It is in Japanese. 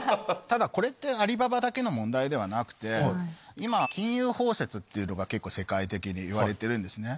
ただこれってアリババだけの問題ではなくて今金融包摂っていうのが結構世界的にいわれてるんですね。